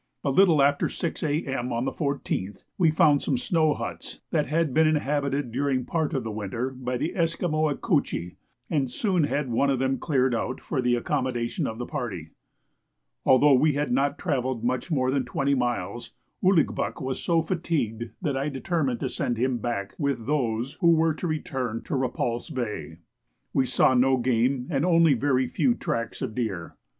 A little after 6 A.M. on the 14th, we found some snow huts that had been inhabited during part of the winter by the Esquimaux Ecouchi, and soon had one of them cleared out for the accommodation of the party. Although we had not travelled much more than twenty miles, Ouligbuck was so fatigued that I determined to send him back with those who were to return to Repulse Bay. We saw no game and only very few tracks of deer.